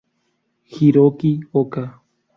Hiroki Oka